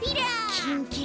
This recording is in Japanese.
キンキラ！